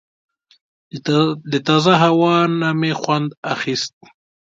له تازه هوا نه مې خوند اخیست.